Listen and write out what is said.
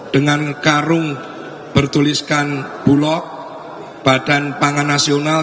dengan karung bertuliskan bulog badan pangan nasional